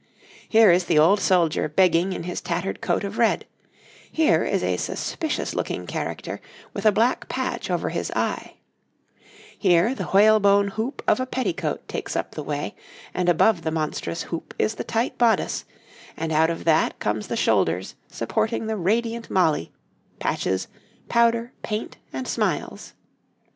Here is the old soldier begging in his tattered coat of red; here is a suspicious looking character with a black patch over his eye; here the whalebone hoop of a petticoat takes up the way, and above the monstrous hoop is the tight bodice, and out of that comes the shoulders supporting the radiant Molly patches, powder, paint, and smiles.